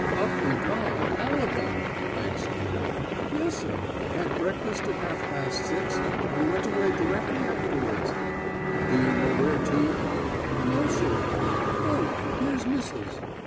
"Up and gone, all of them!" I exclaimed. "Yes, sir. Had breakfast at half past six, and went away directly afterwards." "Do you know where to?" "No, sir. O, here's missus."